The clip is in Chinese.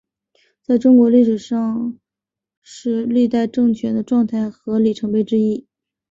在中国历史上是历代政权的状态和里程碑之一。